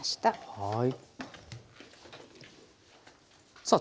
はい。